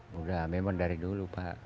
sudah memang dari dulu pak